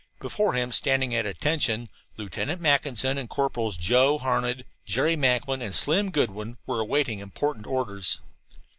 Before him, standing at attention, Lieutenant Mackinson and Corporals Joe Harned, Jerry Macklin and Slim Goodwin were awaiting important orders.